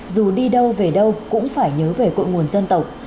dù đi đâu về đâu cũng phải nhớ về cội nguồn dân tộc